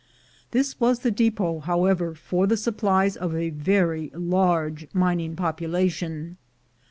This was the depot, however, for the supplies of a very large mining population.